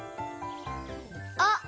あっ！